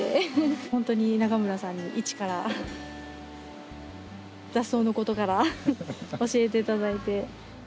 本当に永村さんに一から雑草のことから教えていただいて。